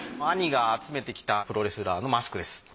兄が集めてきたプロレスラーのマスクです。